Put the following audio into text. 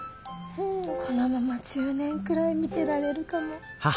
このまま１０年くらい見てられるかも。